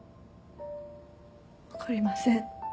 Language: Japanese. わかりません。